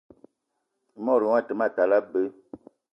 I mot gnion a te ma tal abei